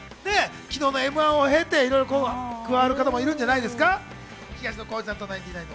昨日のМ‐１を経て、いろいろ加わる方もいるんじゃないですか。